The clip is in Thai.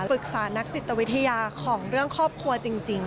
ปรึกษานักจิตวิทยาของเรื่องครอบครัวจริง